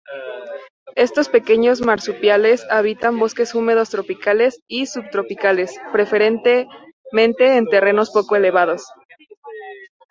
Estos pequeños marsupiales habitan bosques húmedos tropicales y subtropicales, preferentemente en terrenos poco elevados.